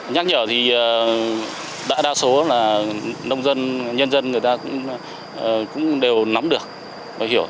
nhắc nhở thì đã đa số là nông dân nhân dân người ta cũng đều nắm được và hiểu